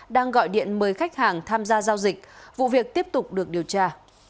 đang gọi điện mời khách hàng tham gia giao dịch vụ việc tiếp tục được điều tra